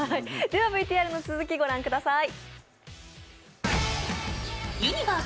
では、ＶＴＲの続き、御覧ください。